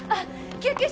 救急車！